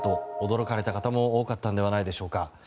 驚かれた方も多かったのではないでしょうか。